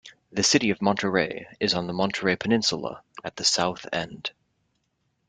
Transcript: The city of Monterey is on the Monterey Peninsula at the south end.